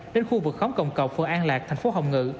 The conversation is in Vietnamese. đến khu vực khóm cồng cọc phố an lạc thành phố hồng ngự